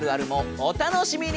お楽しみに！